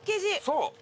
そう。